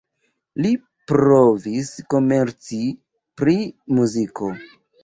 Li provis komerci pri muziko.